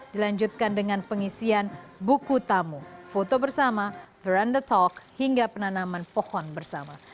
dilanjutkan dengan pengisian buku tamu foto bersama verande talk hingga penanaman pohon bersama